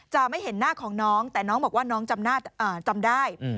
จะไม่เห็นหน้าของน้องแต่น้องบอกว่าน้องจำได้